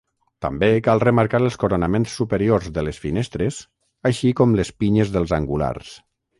També, cal remarcar els coronaments superiors de les finestres, així com les pinyes dels angulars.